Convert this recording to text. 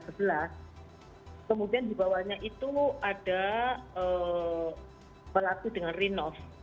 kemudian di bawahnya itu ada pelaku dengan rinov